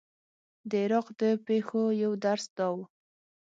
د عراق د پېښو یو درس دا و.